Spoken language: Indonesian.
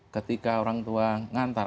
ketika orang tua ngantar